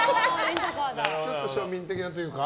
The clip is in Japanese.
ちょっと庶民的なというか。